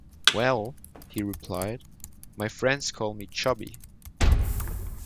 "Well", he replied, "my friends call me 'Chubby'".